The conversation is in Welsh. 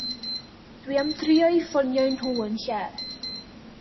Dw i am drio'u ffonio nhw yn lle.